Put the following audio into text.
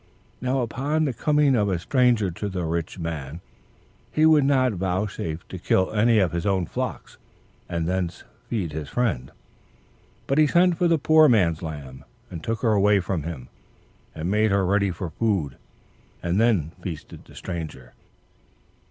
Now upon the coming of a stranger to the rich man, he would not vouchsafe to kill any of his own flocks, and thence feast his friend; but he sent for the poor man's lamb, and took her away from him, and made her ready for food, and thence feasted the stranger."